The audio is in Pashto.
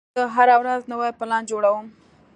زه هره ورځ نوی پلان جوړوم.